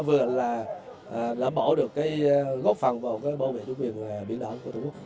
vừa là đảm bảo được góp phần vào bảo vệ chủ quyền biển đỏ của trung quốc